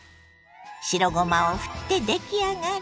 白ごまをふって出来上がり。